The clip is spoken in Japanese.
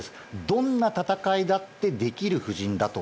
どんな戦いだってできる布陣だと。